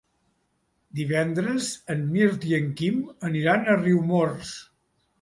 Divendres en Mirt i en Quim aniran a Riumors.